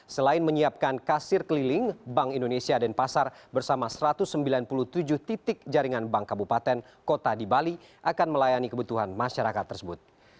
selain menyiapkan kasir keliling bank indonesia dan pasar bersama satu ratus sembilan puluh tujuh titik jaringan bank kabupaten kota di bali akan melayani kebutuhan masyarakat tersebut